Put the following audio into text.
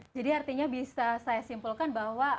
jadi artinya bisa saya simpulkan bahwa